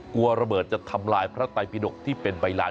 กลัวระเบิดจะทำลายพระไตปิดกที่เป็นใบลาน